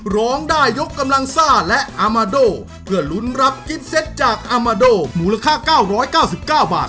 ร้องได้ยกกำลังซ่าและอามาโดเพื่อหลุนรับจากอามาโดหมูราคาเก้าร้อยเก้าสิบเก้าบาท